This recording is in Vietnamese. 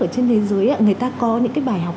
ở trên thế giới người ta có những cái bài học